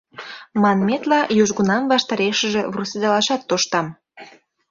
Манметла, южгунам ваштарешыже вурседалашат тоштам.